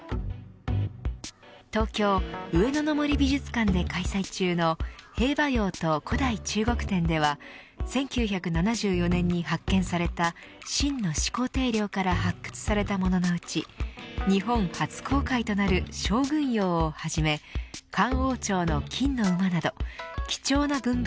東京、上野の森美術館で開催中の兵馬俑と古代中国展では１９７４年に発見された秦の始皇帝陵から発掘されたもののうち日本初公開となる将軍俑をはじめ漢王朝の金の馬など貴重な文物